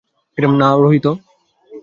না, রোহিত।